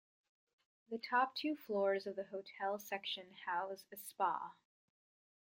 The top two floors of the hotel section house a spa.